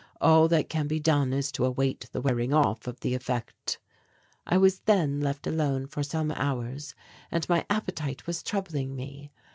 All that can be done is to await the wearing off of the effect." I was then left alone for some hours and my appetite was troubling me.